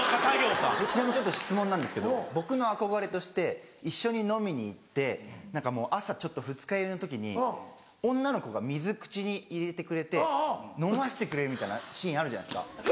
ちなみにちょっと質問なんですけど僕の憧れとして一緒に飲みに行って朝ちょっと二日酔いの時に女の子が水口に入れてくれて飲ませてくれるみたいなシーンあるじゃないですか。